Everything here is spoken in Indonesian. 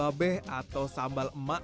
sambal babai atau sambal emak